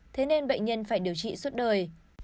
thế nên bệnh nhân phải điều trị suốt đời